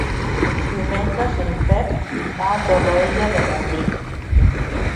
Dimecres en Pep va a Torroella de Montgrí.